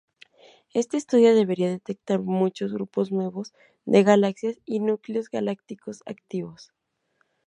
Este estudio debería detectar muchos grupos nuevos de galaxias y núcleos galácticos activos.